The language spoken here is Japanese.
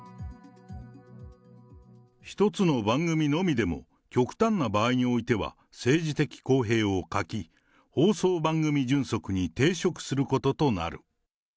１つの番組のみでも、極端な場合においては、政治的公平を欠き、放送番組準則に抵触することとなる。